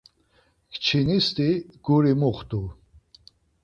Kçinisti guri muxtu.